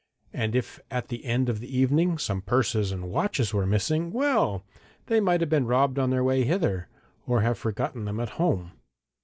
And if at the end of the evening some purses and watches were missing, well! they might have been robbed on their way hither, or have forgotten them at home.